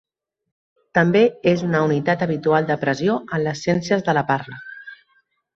També és una unitat habitual de pressió en les ciències de la parla.